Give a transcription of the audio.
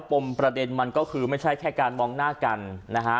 ปมประเด็นมันก็คือไม่ใช่แค่การมองหน้ากันนะฮะ